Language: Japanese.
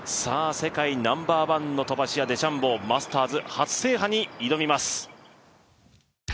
世界ナンバー１の飛ばし屋デシャンボーマスターズ初制覇に挑みます。